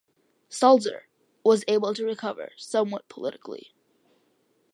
Sulzer was able to recover somewhat politically.